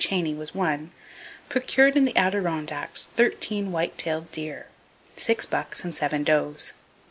Cheney was one, procured in the Adirondacks thirteen white tailed deer, six bucks and seven does.